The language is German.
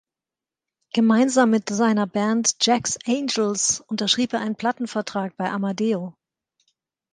Gemeinsam mit seiner Band „Jack's Angels“ unterschrieb er einen Plattenvertrag bei Amadeo.